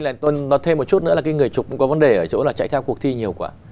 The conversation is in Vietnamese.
và ở đây nói thêm một chút nữa là cái người chụp cũng có vấn đề ở chỗ là chạy theo cuộc thi nhiều quá